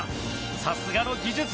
さすがの技術。